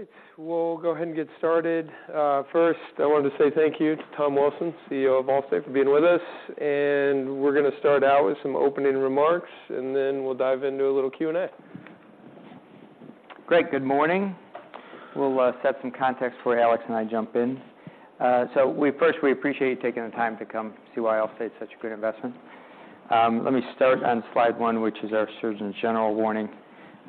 All right, we'll go ahead and get started. First, I wanted to say thank you to Tom Wilson, CEO of Allstate, for being with us. And we're going to start out with some opening remarks, and then we'll dive into a little Q&A. Great. Good morning. We'll set some context before Alex and I jump in. So first, we appreciate you taking the time to come see why Allstate is such a great investment. Let me start on slide one, which is our Surgeon General warning.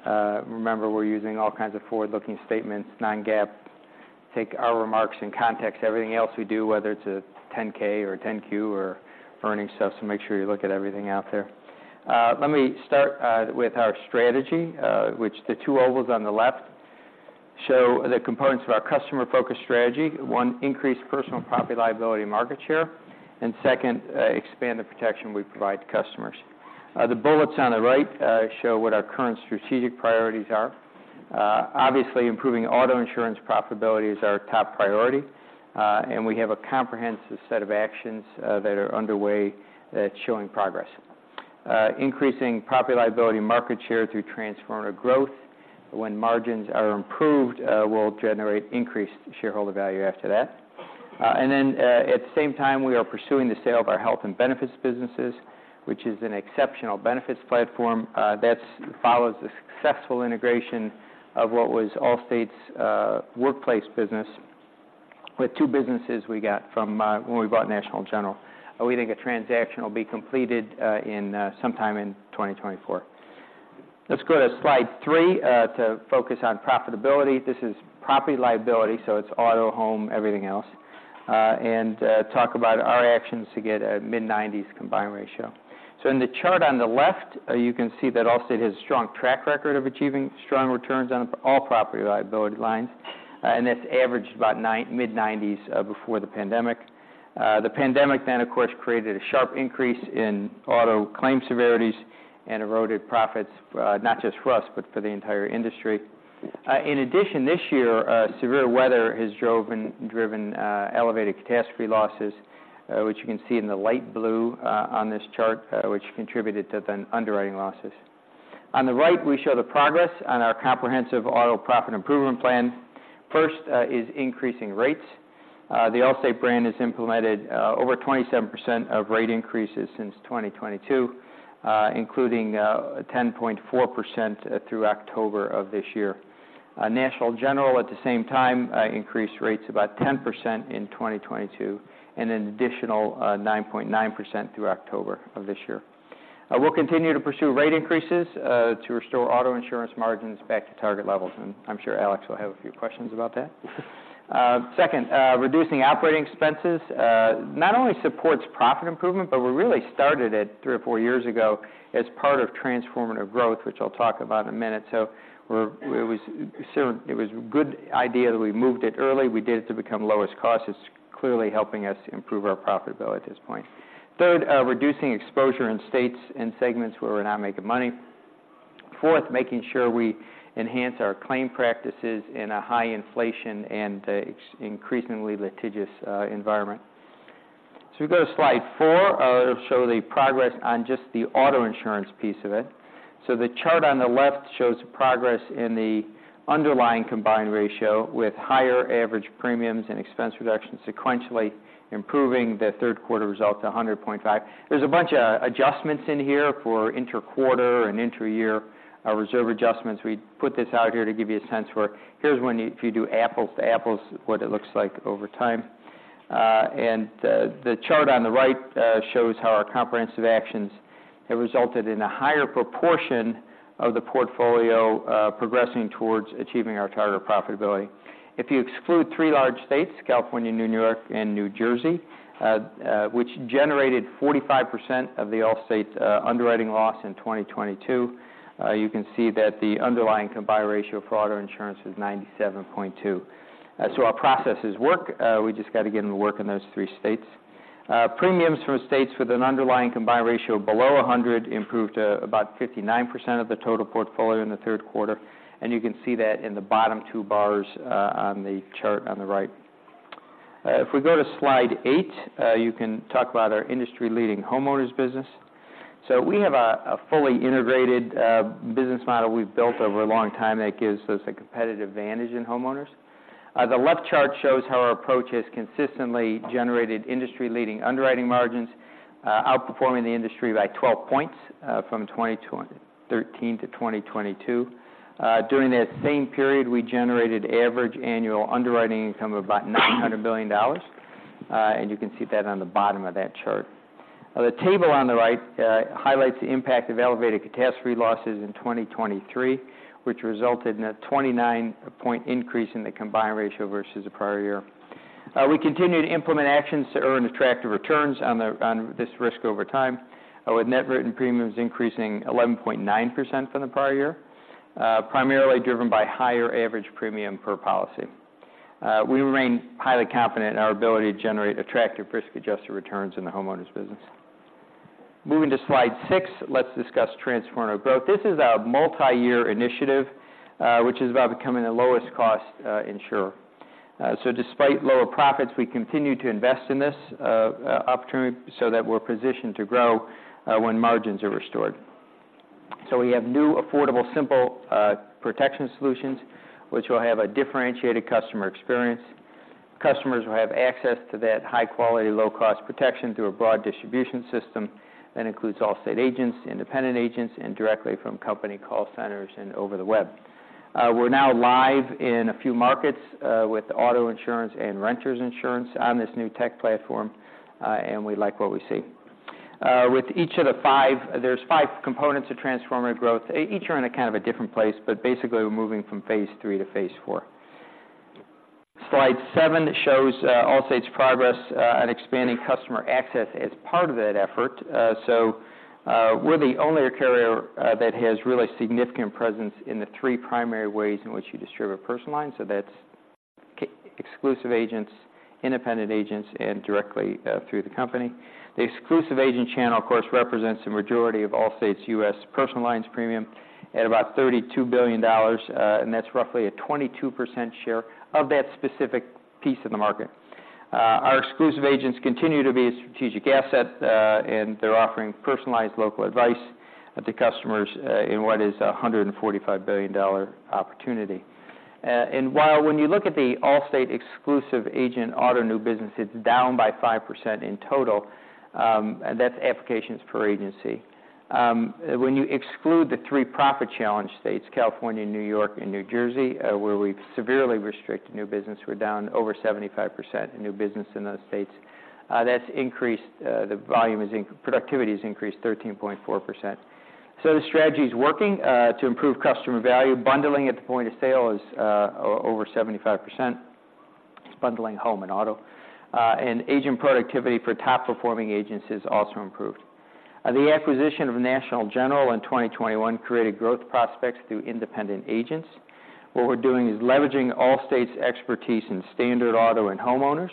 Remember, we're using all kinds of forward-looking statements, non-GAAP. Take our remarks in context to everything else we do, whether it's a 10-K or a 10-Q, or earnings stuff, so make sure you look at everything out there. Let me start with our strategy, which the two ovals on the left show the components of our customer-focused strategy. One, increase personal property liability market share, and second, expand the protection we provide to customers. The bullets on the right show what our current strategic priorities are. Obviously, improving auto insurance profitability is our top priority, and we have a comprehensive set of actions that are underway that are showing progress. Increasing property liability market share through Transformative Growth, when margins are improved, will generate increased shareholder value after that. And then, at the same time, we are pursuing the sale of our health and benefits businesses, which is an exceptional benefits platform that follows the successful integration of what was Allstate's workplace business, with two businesses we got from when we bought National General. We think a transaction will be completed in sometime in 2024. Let's go to slide three to focus on profitability. This is property liability, so it's auto, home, everything else, and talk about our actions to get a mid-90s combined ratio. In the chart on the left, you can see that Allstate has a strong track record of achieving strong returns on all property liability lines, and that's averaged about mid-90s before the pandemic. The pandemic then, of course, created a sharp increase in auto claim severities and eroded profits, not just for us, but for the entire industry. In addition, this year, severe weather has driven elevated catastrophe losses, which you can see in the light blue on this chart, which contributed to the underwriting losses. On the right, we show the progress on our comprehensive auto profit improvement plan. First, is increasing rates. The Allstate brand has implemented over 27% of rate increases since 2022, including 10.4% through October of this year. National General, at the same time, increased rates about 10% in 2022, and an additional 9.9% through October of this year. We'll continue to pursue rate increases to restore auto insurance margins back to target levels, and I'm sure Alex will have a few questions about that. Second, reducing operating expenses not only supports profit improvement, but we really started it three or four years ago as part of Transformative Growth, which I'll talk about in a minute. So it was a good idea that we moved it early. We did it to become lowest-cost. It's clearly helping us improve our profitability at this point. Third, reducing exposure in states and segments where we're not making money. Fourth, making sure we enhance our claim practices in a high-inflation and an increasingly litigious environment. So we go to slide four. It’ll show the progress on just the auto insurance piece of it. So the chart on the left shows the progress in the underlying combined ratio with higher average premiums and expense reduction, sequentially improving the third quarter results to 100.5. There’s a bunch of adjustments in here for interquarter and intra-year reserve adjustments. We put this out here to give you a sense for it. Here’s when you if you do apples to apples, what it looks like over time. And the chart on the right shows how our comprehensive actions have resulted in a higher proportion of the portfolio progressing towards achieving our target profitability. If you exclude three large states, California, New York, and New Jersey, which generated 45% of Allstate's underwriting loss in 2022, you can see that the underlying combined ratio for auto insurance is 97.2. So our processes work, we just got to get them to work in those three states. Premiums from states with an underlying combined ratio below 100 improved to about 59% of the total portfolio in the third quarter, and you can see that in the bottom two bars on the chart on the right. If we go to slide eight, you can talk about our industry-leading homeowners business. So we have a fully integrated business model we've built over a long time that gives us a competitive advantage in homeowners. The left chart shows how our approach has consistently generated industry-leading underwriting margins, outperforming the industry by 12 points, from 2013 to 2022. During that same period, we generated average annual underwriting income of about $900 billion, and you can see that on the bottom of that chart. The table on the right highlights the impact of elevated catastrophe losses in 2023, which resulted in a 29-point increase in the combined ratio versus the prior year. We continue to implement actions to earn attractive returns on this risk over time, with net written premiums increasing 11.9% from the prior year, primarily driven by higher average premium per policy. We remain highly confident in our ability to generate attractive risk-adjusted returns in the homeowners' business. Moving to slide six, let's discuss Transformative Growth. This is a multi-year initiative, which is about becoming the lowest-cost insurer. So despite lower profits, we continue to invest in this opportunity so that we're positioned to grow when margins are restored. So we have new, affordable, simple protection solutions, which will have a differentiated customer experience. Customers will have access to that high quality, low-cost protection through a broad distribution system that includes Allstate agents, independent agents, and directly from company call centers and over the web. We're now live in a few markets with auto insurance and renters insurance on this new tech platform, and we like what we see. With each of the five, there's five components of Transformative Growth. Each are in a kind of a different place, but basically, we're moving from phase three to phase four. Slide seven shows Allstate's progress on expanding customer access as part of that effort. So, we're the only carrier that has really significant presence in the three primary ways in which you distribute personal lines, so that's exclusive agents, independent agents, and directly through the company. The exclusive agent channel, of course, represents the majority of Allstate's U.S. personal lines premium at about $32 billion, and that's roughly a 22% share of that specific piece of the market. Our exclusive agents continue to be a strategic asset, and they're offering personalized local advice to customers in what is a $145 billion opportunity. And while when you look at the Allstate exclusive agent auto new business, it's down by 5% in total. That's applications per agency. When you exclude the three profit-challenged states, California, New York, and New Jersey, where we've severely restricted new business, we're down over 75% in new business in those states. That's increased. Productivity has increased 13.4%. So the strategy is working to improve customer value. Bundling at the point of sale is over 75%. It's bundling home and auto. And agent productivity for top-performing agents has also improved. The acquisition of National General in 2021 created growth prospects through independent agents. What we're doing is leveraging Allstate's expertise in standard auto and homeowners,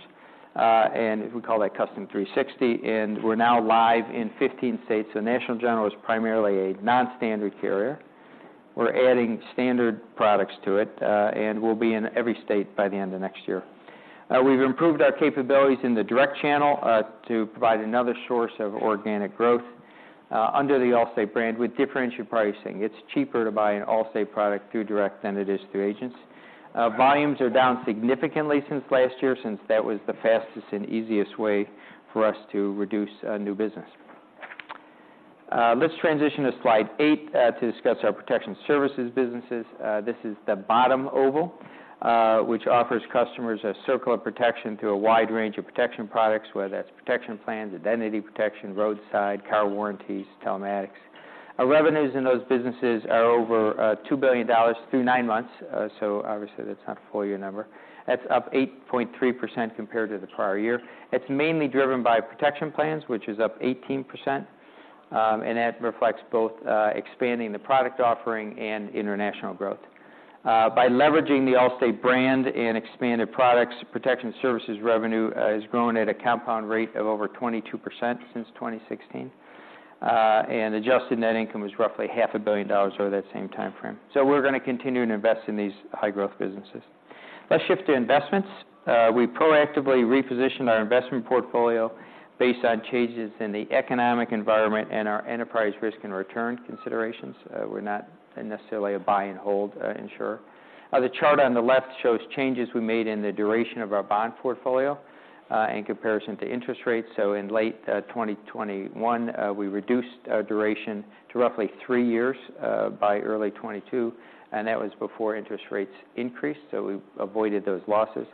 and we call that Custom 360, and we're now live in 15 states. So National General is primarily a non-standard carrier. We're adding standard products to it, and we'll be in every state by the end of next year. We've improved our capabilities in the direct channel to provide another source of organic growth under the Allstate brand with differentiated pricing. It's cheaper to buy an Allstate product through direct than it is through agents. Volumes are down significantly since last year, since that was the fastest and easiest way for us to reduce new business. Let's transition to slide eight to discuss our protection services businesses. This is the bottom oval, which offers customers a circle of protection through a wide range of protection products, whether that's protection plans, identity protection, roadside, car warranties, telematics. Our revenues in those businesses are over $2 billion through nine months. So obviously, that's not a full-year number. That's up 8.3% compared to the prior year. It's mainly driven by protection plans, which is up 18%, and that reflects both, expanding the product offering and international growth. By leveraging the Allstate brand and expanded products, protection services revenue has grown at a compound rate of over 22% since 2016. And adjusted net income was roughly $500 million over that same timeframe. So we're going to continue to invest in these high-growth businesses. Let's shift to investments. We proactively repositioned our investment portfolio based on changes in the economic environment and our enterprise risk and return considerations. We're not necessarily a buy and hold insurer. The chart on the left shows changes we made in the duration of our bond portfolio in comparison to interest rates. So in late 2021, we reduced our duration to roughly three years by early 2022, and that was before interest rates increased, so we avoided those losses.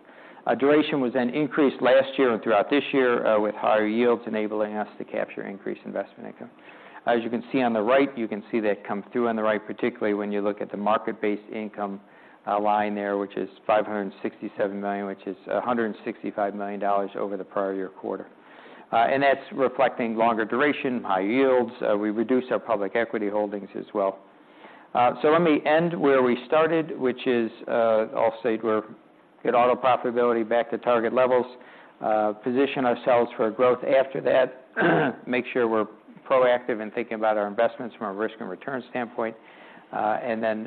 Duration was then increased last year and throughout this year with higher yields, enabling us to capture increased investment income. As you can see on the right, you can see that come through on the right, particularly when you look at the market-based income line there, which is $567 million, which is $165 million over the prior year quarter. That's reflecting longer duration, high yields. We reduced our public equity holdings as well. So let me end where we started, which is Allstate, where get auto profitability back to target levels, position ourselves for growth after that, make sure we're proactive in thinking about our investments from a risk and return standpoint, and then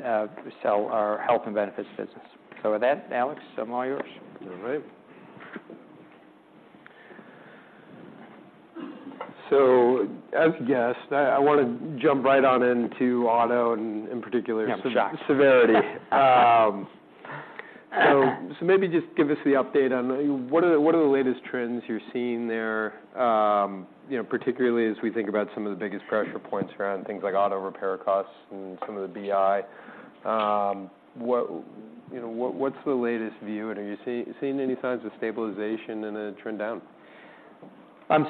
sell our health and benefits business. So with that, Alex, I'm all yours. All right. So as you guessed, I, I want to jump right on into auto and in particular- Yeah, I'm shocked. Severity. So maybe just give us the update on what are the latest trends you're seeing there, you know, particularly as we think about some of the biggest pressure points around things like auto repair costs and some of the BI. You know, what's the latest view, and are you seeing any signs of stabilization and a trend down?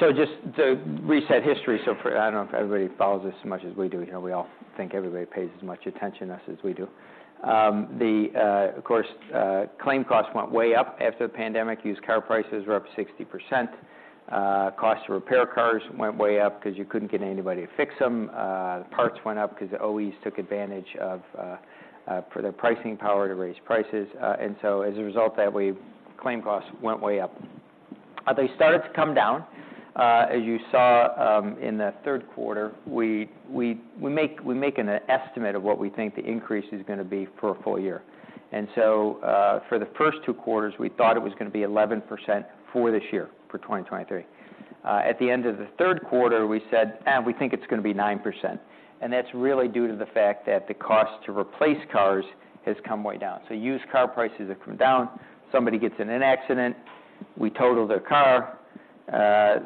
So just to reset history, so for... I don't know if everybody follows this as much as we do here. We all think everybody pays as much attention to us as we do. Of course, claim costs went way up after the pandemic. Used car prices were up 60%. Cost to repair cars went way up because you couldn't get anybody to fix them. The parts went up because the OEs took advantage of their pricing power to raise prices. And so as a result of that, claim costs went way up. They started to come down. As you saw, in the third quarter, we make an estimate of what we think the increase is going to be for a full-year. And so, for the first two quarters, we thought it was going to be 11% for this year, for 2023. At the end of the third quarter, we said, "We think it's going to be 9%." And that's really due to the fact that the cost to replace cars has come way down. So used car prices have come down. Somebody gets in an accident, we total their car,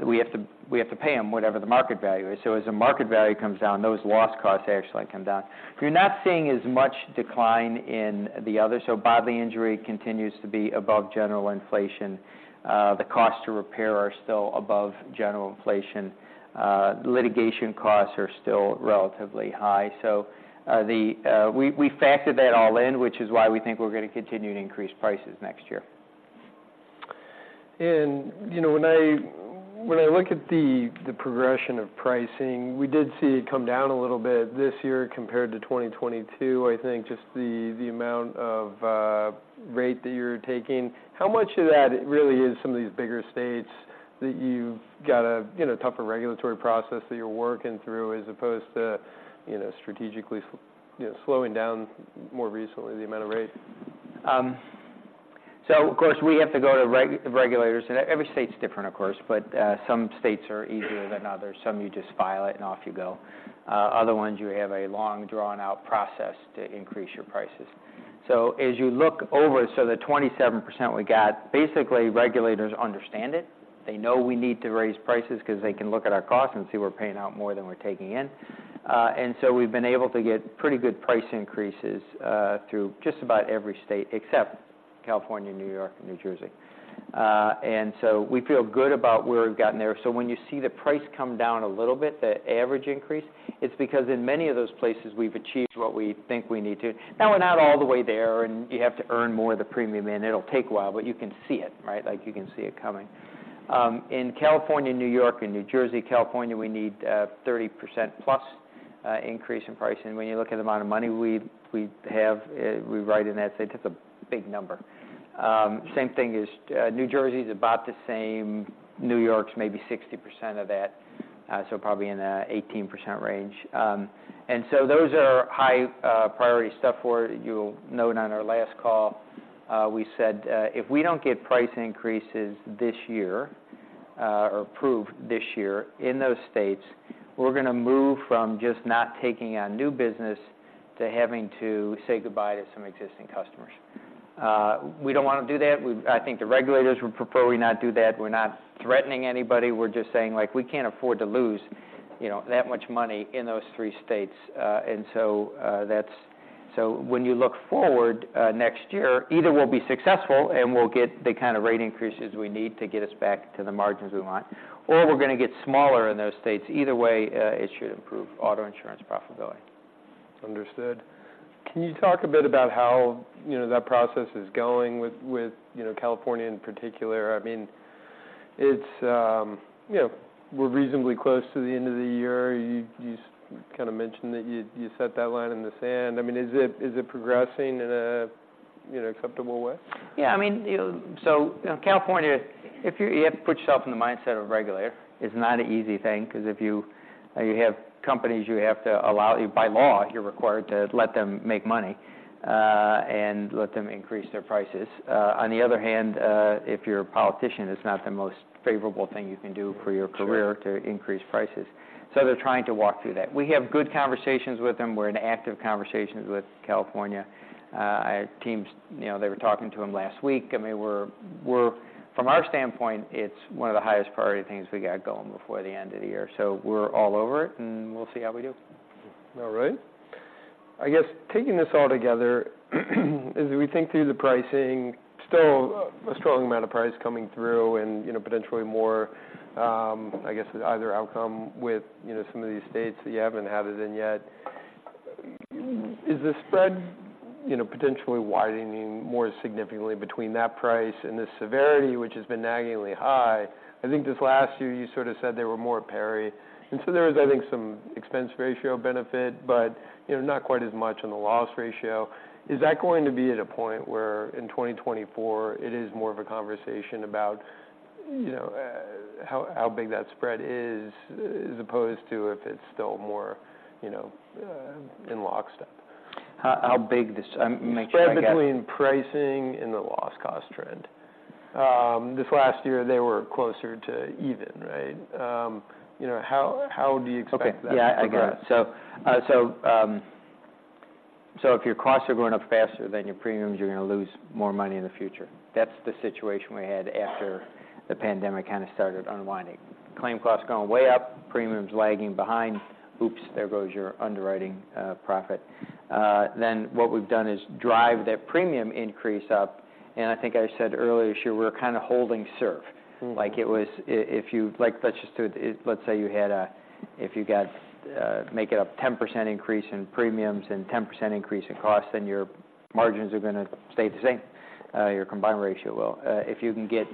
we have to pay them whatever the market value is. So as the market value comes down, those loss costs actually come down. You're not seeing as much decline in the other. So Bodily Injury continues to be above general inflation. The cost to repair are still above general inflation. Litigation costs are still relatively high. So, the... We factored that all in, which is why we think we're going to continue to increase prices next year. You know, when I look at the progression of pricing, we did see it come down a little bit this year compared to 2022. I think just the amount of rate that you're taking. How much of that really is some of these bigger states that you've got a you know, tougher regulatory process that you're working through, as opposed to, you know, strategically slowing down more recently, the amount of rate? So of course, we have to go to regulators, and every state's different, of course, but some states are easier than others. Some, you just file it and off you go. Other ones, you have a long, drawn-out process to increase your prices. So as you look over, so the 27% we got, basically, regulators understand it. They know we need to raise prices because they can look at our costs and see we're paying out more than we're taking in. And so we've been able to get pretty good price increases through just about every state, except California, New York, and New Jersey. And so we feel good about where we've gotten there. So when you see the price come down a little bit, the average increase, it's because in many of those places, we've achieved what we think we need to. Now we're not all the way there, and you have to earn more of the premium in. It'll take a while, but you can see it, right? Like, you can see it coming. In California, New York, and New Jersey, California, we need 30%+ increase in pricing. When you look at the amount of money we, we have, we write in that state, that's a big number. Same thing as New Jersey is about the same. New York's maybe 60% of that, so probably in the 18% range. And so those are high priority stuff where you'll note on our last call, we said, "If we don't get price increases this year or approved this year in those states, we're going to move from just not taking on new business to having to say goodbye to some existing customers." We don't want to do that. I think the regulators would prefer we not do that. We're not threatening anybody. We're just saying, like, we can't afford to lose, you know, that much money in those three states. So when you look forward, next year, either we'll be successful, and we'll get the kind of rate increases we need to get us back to the margins we want, or we're going to get smaller in those states. Either way, it should improve auto insurance profitability. Understood. Can you talk a bit about how, you know, that process is going with, you know, California in particular? I mean, it's, you know, we're reasonably close to the end of the year. You kind of mentioned that you set that line in the sand. I mean, is it progressing in a, you know, acceptable way? Yeah, I mean, so you know, California, if you have to put yourself in the mindset of a regulator. It's not an easy thing, 'cause if you have companies, you have to allow. By law, you're required to let them make money and let them increase their prices. On the other hand, if you're a politician, it's not the most favorable thing you can do for your career- Sure... to increase prices. So they're trying to walk through that. We have good conversations with them. We're in active conversations with California. Our teams, you know, they were talking to them last week. I mean, we're from our standpoint, it's one of the highest priority things we got going before the end of the year. So we're all over it, and we'll see how we do. All right. I guess taking this all together, as we think through the pricing, still a strong amount of price coming through and, you know, potentially more, I guess, either outcome with, you know, some of these states that you haven't had it in yet. Is the spread, you know, potentially widening more significantly between that price and the severity, which has been naggingly high? I think this last year, you sort of said they were more par. And so there is, I think, some expense ratio benefit, but, you know, not quite as much on the loss ratio. Is that going to be at a point where in 2024, it is more of a conversation about, you know, how, how big that spread is, as opposed to if it's still more, you know, in lockstep? How big? Make sure I get- The spread between pricing and the loss-cost trend. This last year, they were closer to even, right? You know, how, how do you expect that to progress? Okay. Yeah, I got it. So, if your costs are going up faster than your premiums, you're going to lose more money in the future. That's the situation we had after the pandemic kind of started unwinding. Claim costs going way up, premiums lagging behind, oops, there goes your underwriting profit. Then what we've done is drive that premium increase up, and I think I said earlier this year, we're kind of holding serve. Mm. Like, let's just do it. Let's say you had a make it up 10% increase in premiums and 10% increase in costs, then your margins are going to stay the same, your combined ratio will. If you can get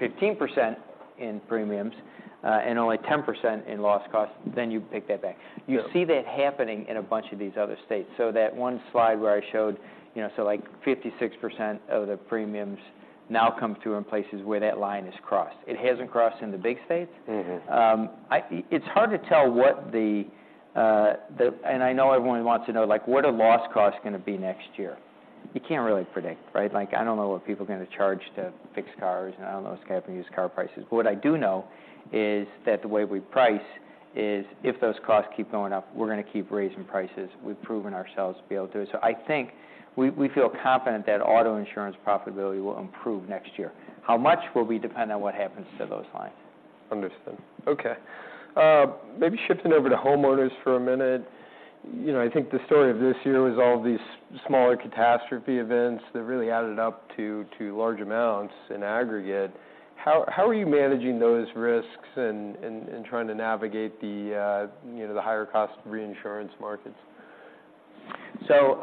15% in premiums and only 10% in loss costs, then you pick that back. Yep. You see that happening in a bunch of these other states. So that one slide where I showed, you know, so like 56% of the premiums now come through in places where that line is crossed. It hasn't crossed in the big states. Mm-hmm. It's hard to tell what the. And I know everyone wants to know, like, what are loss costs going to be next year? You can't really predict, right? Like, I don't know what people are going to charge to fix cars, and I don't know what's going to happen to used car prices. But what I do know is that the way we price is, if those costs keep going up, we're going to keep raising prices. We've proven ourselves to be able to do it. So I think we feel confident that auto insurance profitability will improve next year. How much will be dependent on what happens to those lines. Understood. Okay. Maybe shifting over to homeowners for a minute. You know, I think the story of this year was all of these smaller catastrophe events that really added up to large amounts in aggregate. How are you managing those risks and trying to navigate the you know, the higher cost reinsurance markets? So,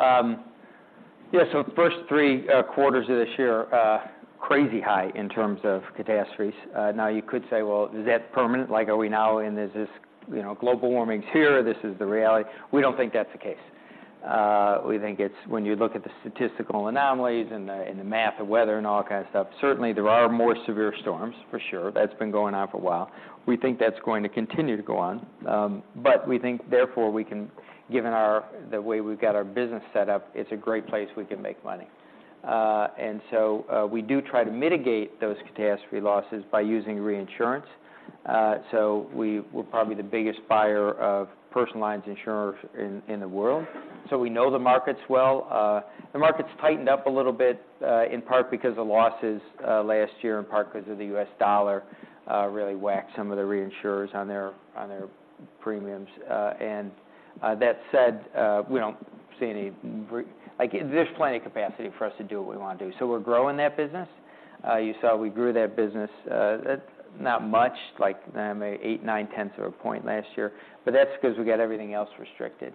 yeah, so the first three quarters of this year are crazy high in terms of catastrophes. Now, you could say, "Well, is that permanent? Like, are we now in... Is this, you know, global warming is here, this is the reality?" We don't think that's the case. We think it's when you look at the statistical anomalies and the, and the math, the weather, and all kind of stuff, certainly there are more severe storms, for sure. That's been going on for a while. We think that's going to continue to go on. But we think, therefore, we can-- given our, the way we've got our business set up, it's a great place we can make money. And so, we do try to mitigate those catastrophe losses by using reinsurance. So we're probably the biggest buyer of personal lines insurer in the world, so we know the markets well. The market's tightened up a little bit in part because of losses last year, in part because of the U.S. dollar really whacked some of the reinsurers on their premiums. And that said, we don't see any. Like, there's plenty of capacity for us to do what we want to do, so we're growing that business. You saw we grew that business not much, like, 0.8-0.9 of a point last year, but that's because we got everything else restricted.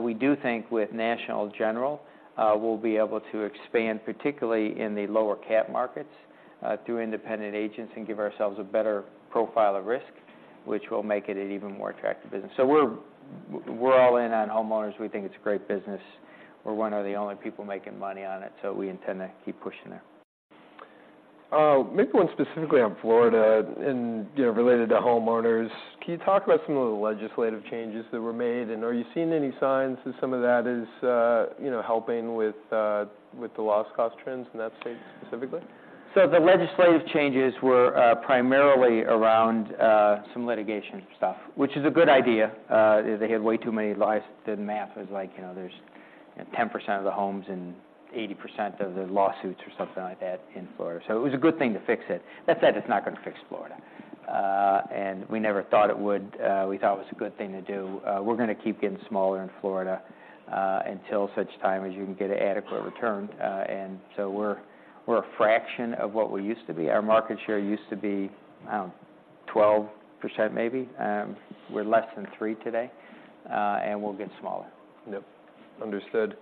We do think with National General, we'll be able to expand, particularly in the lower cap markets, through independent agents and give ourselves a better profile of risk, which will make it an even more attractive business. So we're all in on homeowners. We think it's a great business. We're one of the only people making money on it, so we intend to keep pushing it. Maybe one specifically on Florida and, you know, related to homeowners. Can you talk about some of the legislative changes that were made, and are you seeing any signs that some of that is, you know, helping with the loss-cost trends in that state specifically? So the legislative changes were primarily around some litigation stuff, which is a good idea. They had way too many lawsuits. The math was like, you know, there's 10% of the homes and 80% of the lawsuits or something like that in Florida. So it was a good thing to fix it. That said, it's not going to fix Florida, and we never thought it would. We thought it was a good thing to do. We're going to keep getting smaller in Florida until such time as you can get an adequate return. And so we're a fraction of what we used to be. Our market share used to be, I don't know, 12% maybe. We're less than 3% today, and we'll get smaller. Yep, understood.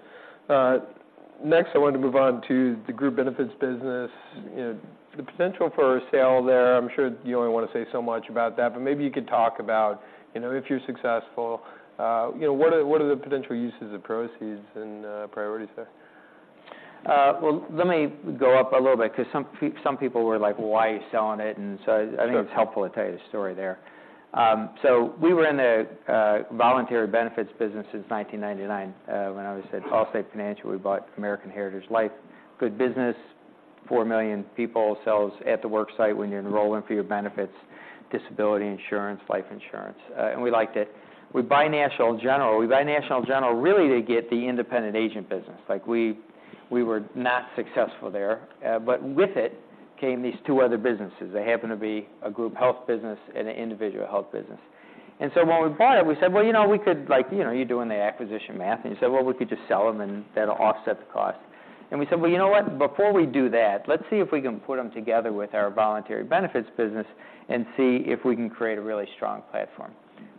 Next, I wanted to move on to the group benefits business. You know, the potential for a sale there, I'm sure you only want to say so much about that, but maybe you could talk about, you know, if you're successful, you know, what are the potential uses of proceeds and priorities there? Well, let me go up a little bit because some people were like, "Why are you selling it?" And so- Sure... I think it's helpful to tell you the story there. So we were in the voluntary benefits business since 1999, when I was at Allstate Financial, we bought American Heritage Life. Good business, 4 million people, sells at the work site when you're enrolling for your benefits, disability insurance, life insurance, and we liked it. We buy National General. We buy National General really to get the independent agent business. Like, we were not successful there, but with it came these two other businesses. They happened to be a group health business and an individual health business. And so when we bought it, we said, "Well, you know, we could like..." You know, you're doing the acquisition math, and you say, "Well, we could just sell them, and that'll offset the cost." And we said, "Well, you know what? Before we do that, let's see if we can put them together with our voluntary benefits business and see if we can create a really strong platform."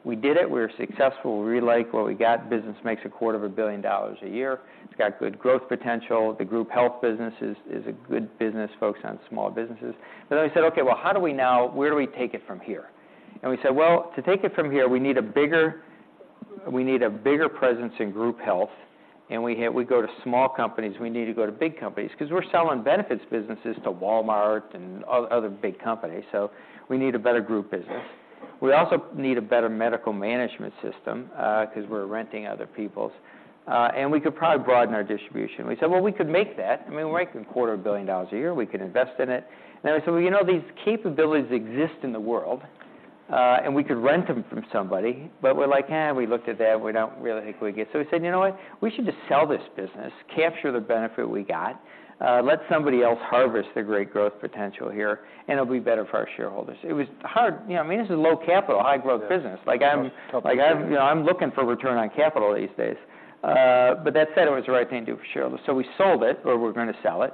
We did it. We were successful. We really like what we got. Business makes $250 million a year. It's got good growth potential. The group health business is, is a good business, focused on small businesses. But then we said: Okay, well, how do we now, where do we take it from here? And we said, "Well, to take it from here, we need a bigger, we need a bigger presence in group health, and we have, we go to small companies. We need to go to big companies." Because we're selling benefits businesses to Walmart and other big companies, so we need a better group business. We also need a better medical management system, because we're renting other people's, and we could probably broaden our distribution. We said, "Well, we could make that. I mean, we're making $250 million a year. We could invest in it." And I said, "Well, you know, these capabilities exist in the world, and we could rent them from somebody," but we're like, "Eh, we looked at that, we don't really think we could." So we said, "You know what? We should just sell this business, capture the benefit we got, let somebody else harvest the great growth potential here, and it'll be better for our shareholders." It was hard. You know, I mean, this is low capital, high growth business. Yeah. Like, I'm looking for return-on-capital these days. You know, but that said, it was the right thing to do for shareholders. So we sold it, or we're going to sell it.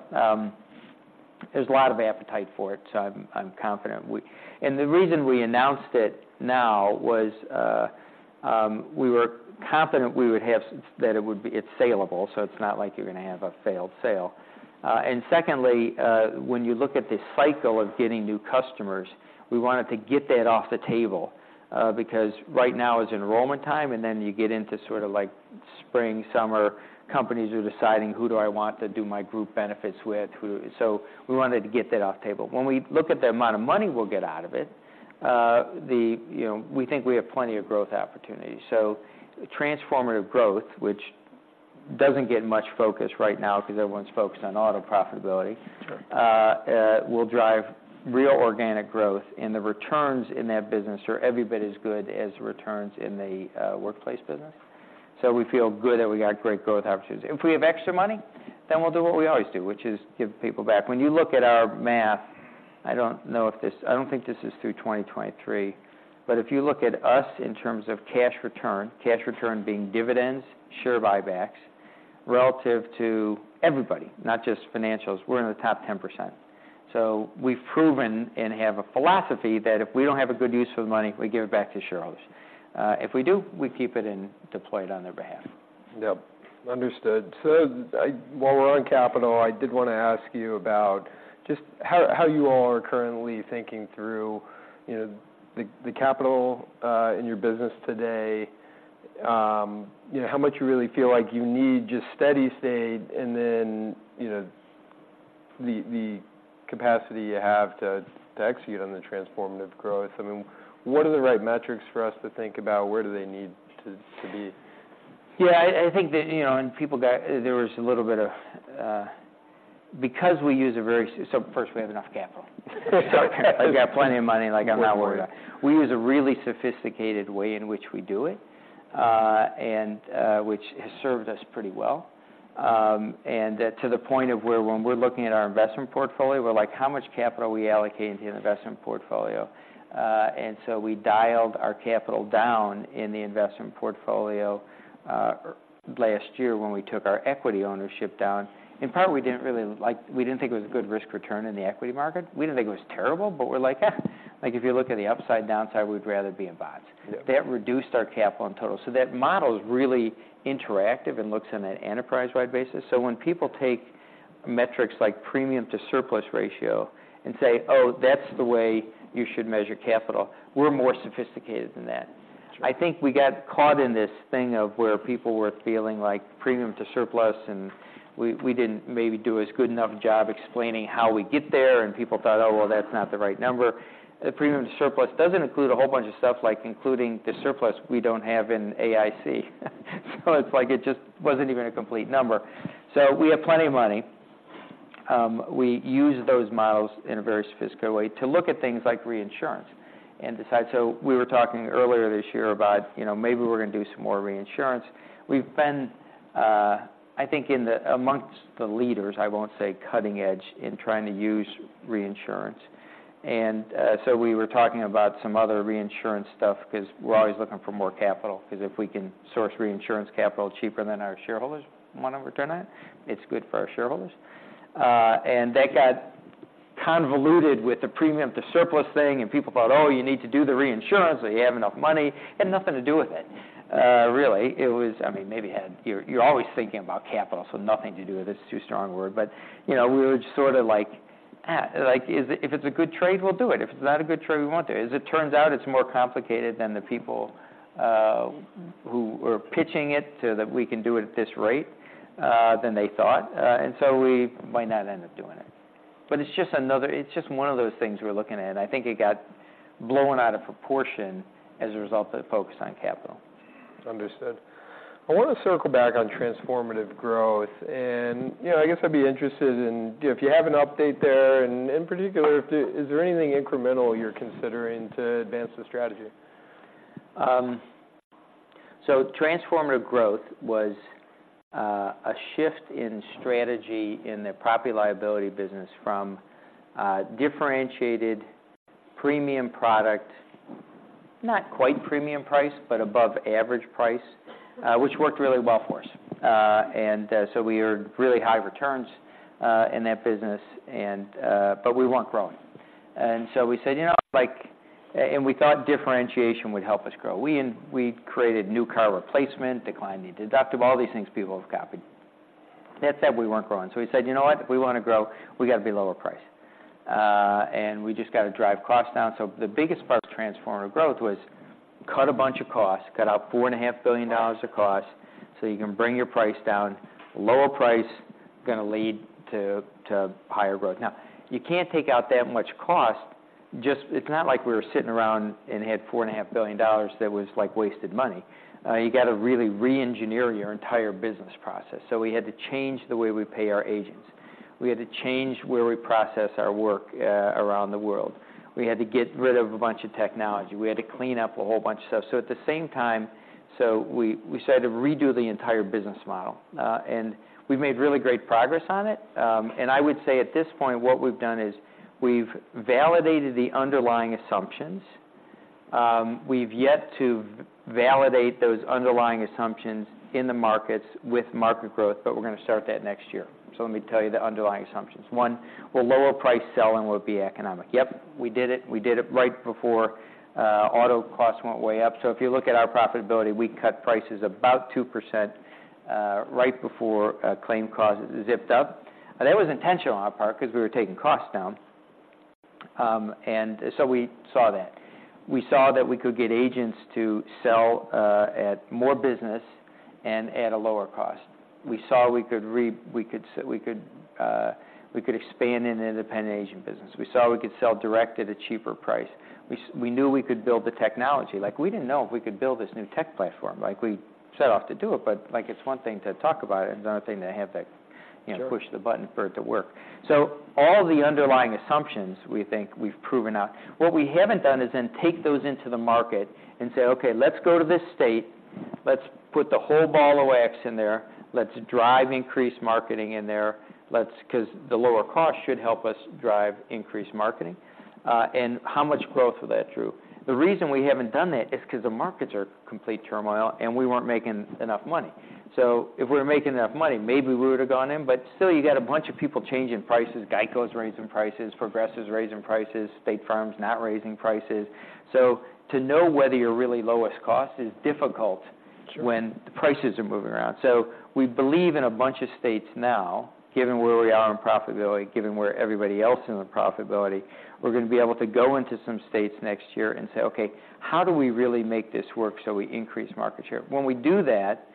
There's a lot of appetite for it, so I'm confident we... And the reason we announced it now was we were confident that it would be, it's saleable, so it's not like you're going to have a failed sale. And secondly, when you look at the cycle of getting new customers, we wanted to get that off the table because right now is enrollment time, and then you get into sort of like spring, summer, companies are deciding: Who do I want to do my group benefits with? So we wanted to get that off the table. When we look at the amount of money we'll get out of it, you know, we think we have plenty of growth opportunities. So Transformative Growth, which doesn't get much focus right now because everyone's focused on auto profitability- Sure. will drive real organic growth, and the returns in that business are every bit as good as the returns in the workplace business. So we feel good that we got great growth opportunities. If we have extra money, then we'll do what we always do, which is give people back. When you look at our math, I don't know if this—I don't think this is through 2023, but if you look at us in terms of cash return, cash return being dividends, share buybacks, relative to everybody, not just financials, we're in the top 10%. So we've proven and have a philosophy that if we don't have a good use for the money, we give it back to shareholders. If we do, we keep it and deploy it on their behalf. Yep, understood. So, while we're on capital, I did want to ask you about just how you all are currently thinking through, you know, the capital in your business today. You know, how much you really feel like you need just steady state, and then, you know, the capacity you have to execute on the Transformative Growth? I mean, what are the right metrics for us to think about? Where do they need to be? Yeah, I think that, you know, we have enough capital. We got plenty of money, like, I'm not worried about it. We use a really sophisticated way in which we do it, and which has served us pretty well. And that to the point of where when we're looking at our investment portfolio, we're like: How much capital are we allocating to the investment portfolio? And so we dialed our capital down in the investment portfolio last year when we took our equity ownership down. In part, we didn't think it was a good risk return in the equity market. We didn't think it was terrible, but we're like, eh. Like, if you look at the upside, downside, we'd rather be in bonds. Yep. That reduced our capital in total. So that model is really interactive and looks on an enterprise-wide basis. So when people take metrics like Premium to Surplus ratio and say, "Oh, that's the way you should measure capital," we're more sophisticated than that. Sure. I think we got caught in this thing of where people were feeling like Premium to Surplus, and we, we didn't maybe do as good enough a job explaining how we get there, and people thought, "Oh, well, that's not the right number." The Premium to Surplus doesn't include a whole bunch of stuff, like including the surplus we don't have in AIC. So it's like, it just wasn't even a complete number. So we have plenty of money. We use those models in a very sophisticated way to look at things like reinsurance and decide... So we were talking earlier this year about, you know, maybe we're going to do some more reinsurance. We've been, I think, in the amongst the leaders, I won't say cutting edge, in trying to use reinsurance. So we were talking about some other reinsurance stuff because we're always looking for more capital, 'cause if we can source reinsurance capital cheaper than our shareholders want to return it, it's good for our shareholders. And that got convoluted with the Premium to Surplus thing, and people thought: "Oh, you need to do the reinsurance, so you have enough money." It had nothing to do with it. Really, it was... I mean, maybe it had. You're always thinking about capital, so nothing to do with it, it's too strong a word, but, you know, we were just sort of like, like, if, if it's a good trade, we'll do it. If it's not a good trade, we won't do it. As it turns out, it's more complicated than the people who were pitching it, so that we can do it at this rate, than they thought, and so we might not end up doing it. But it's just another. It's just one of those things we're looking at. I think it got blown out of proportion as a result of the focus on capital. Understood. I want to circle back on Transformative Growth. You know, I guess I'd be interested in if you have an update there, and in particular, if there is anything incremental you're considering to advance the strategy? So Transformative Growth was a shift in strategy in the property liability business from differentiated premium product, not quite premium price, but above average price, which worked really well for us. And so we earned really high returns in that business, and but we weren't growing. And so we said, you know what? We thought differentiation would help us grow. We created New Car Replacement, declining deductible, all these things people have copied. That said, we weren't growing. So we said: You know what? If we want to grow, we got to be lower price, and we just got to drive costs down. So the biggest part of Transformative Growth was cut a bunch of costs, cut out $4.5 billion of cost, so you can bring your price down. Lower price going to lead to higher growth. Now, you can't take out that much cost. Just, it's not like we were sitting around and had $4.5 billion that was, like, wasted money. You got to really reengineer your entire business process. So we had to change the way we pay our agents. We had to change where we process our work around the world. We had to get rid of a bunch of technology. We had to clean up a whole bunch of stuff. So at the same time, we started to redo the entire business model. And we've made really great progress on it. And I would say at this point, what we've done is we've validated the underlying assumptions. We've yet to validate those underlying assumptions in the markets with market growth, but we're going to start that next year. So let me tell you the underlying assumptions. One, will lower price sell and will it be economic? Yep, we did it. We did it right before auto costs went way up. So if you look at our profitability, we cut prices about 2% right before claim costs zipped up. That was intentional on our part because we were taking costs down. And so we saw that. We saw that we could get agents to sell at more business and at a lower cost. We saw we could expand in an independent agent business. We saw we could sell direct at a cheaper price. We knew we could build the technology. Like, we didn't know if we could build this new tech platform. Like, we set off to do it, but, like, it's one thing to talk about it, it's another thing to have to, you know- Sure... push the button for it to work. So all the underlying assumptions, we think we've proven out. What we haven't done is then take those into the market and say, "Okay, let's go to this state. Let's put the whole ball of wax in there. Let's drive increased marketing in there. Let's..." Because the lower cost should help us drive increased marketing, and how much growth will that drew? The reason we haven't done that is because the markets are complete turmoil, and we weren't making enough money. So if we were making enough money, maybe we would've gone in. But still, you got a bunch of people changing prices. GEICO is raising prices, Progressive is raising prices, State Farm is not raising prices. So to know whether you're really lowest-cost is difficult- Sure ... when the prices are moving around. So we believe in a bunch of states now, given where we are in profitability, given where everybody else is in the profitability, we're going to be able to go into some states next year and say, "Okay, how do we really make this work so we increase market share?" When we do that,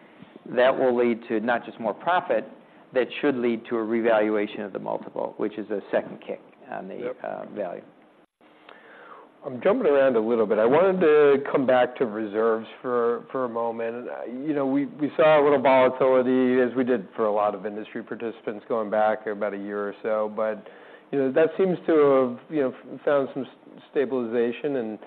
that will lead to not just more profit, that should lead to a revaluation of the multiple, which is a second kick on the Yep... value. I'm jumping around a little bit. I wanted to come back to reserves for a moment. You know, we saw a little volatility, as we did for a lot of industry participants going back about a year or so. But, you know, that seems to have, you know, found some stabilization. And,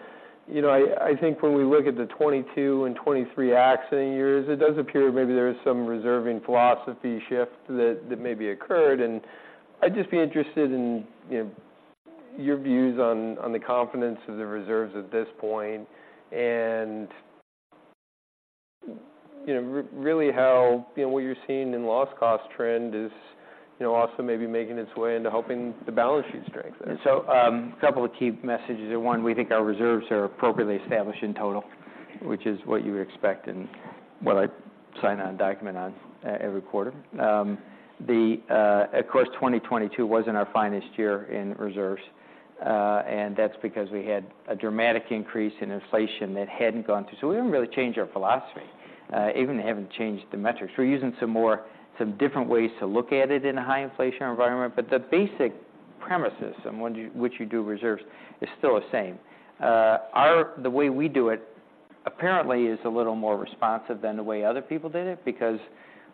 you know, I think when we look at the 2022 and 2023 accident years, it does appear maybe there is some reserving philosophy shift that maybe occurred. And I'd just be interested in, you know, your views on the confidence of the reserves at this point. And, you know, really, how, you know, what you're seeing in loss-cost trend is, you know, also maybe making its way into helping the balance sheet strengthen. So, a couple of key messages. One, we think our reserves are appropriately established in total, which is what you would expect and what I sign on a document on every quarter. Of course, 2022 wasn't our finest year in reserves, and that's because we had a dramatic increase in inflation that hadn't gone through. So we didn't really change our philosophy, even haven't changed the metrics. We're using some different ways to look at it in a high-inflation environment. But the basic premises on which you do reserves is still the same. Our-- the way we do it, apparently, is a little more responsive than the way other people did it, because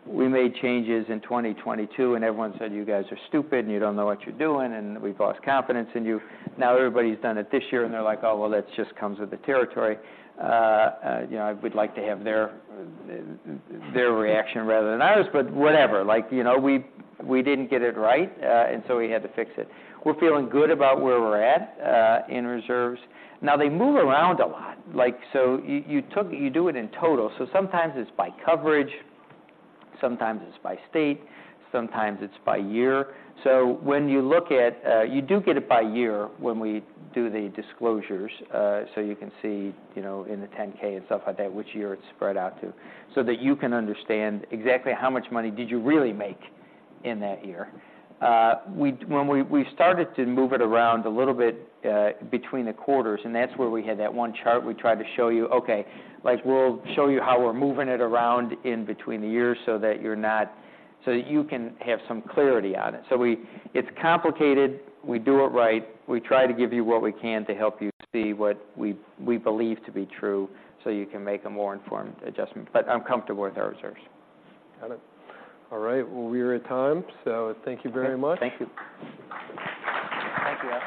we made changes in 2022, and everyone said: "You guys are stupid, and you don't know what you're doing, and we've lost confidence in you." Now, everybody's done it this year, and they're like: "Oh, well, that just comes with the territory." You know, I would like to have their, their reaction rather than ours, but whatever. Like, you know, we, we didn't get it right, and so we had to fix it. We're feeling good about where we're at in reserves. Now, they move around a lot, like, so you do it in total. So sometimes it's by coverage, sometimes it's by state, sometimes it's by year. So when you look at... You do get it by year when we do the disclosures, so you can see, you know, in the 10-K and stuff like that, which year it's spread out to, so that you can understand exactly how much money did you really make in that year. When we started to move it around a little bit between the quarters, and that's where we had that one chart we tried to show you. Okay, like, we'll show you how we're moving it around in between the years so that you can have some clarity on it. So it's complicated. We do it right. We try to give you what we can to help you see what we believe to be true, so you can make a more informed adjustment. But I'm comfortable with our reserves. Got it. All right, well, we're at time, so thank you very much. Thank you. Thank you, Alex.